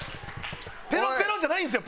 ペロペロじゃないんですよ